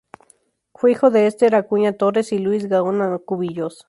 Fue hijo de Ester Acuña Torres y Luis Gaona Cubillos.